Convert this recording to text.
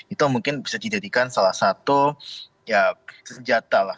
itu mungkin bisa dijadikan salah satu ya senjata lah